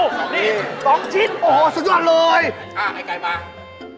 นี่สองชิ้นโอ้โหสุดยอดเลยอ่าไอ้ไก่มา